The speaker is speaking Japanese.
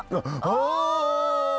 ああ！